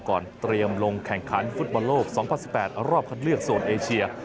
เตรียมลงแข่งขันฟุตบอลโลก๒๐๑๘รอบคัดเลือกโซนเอเชีย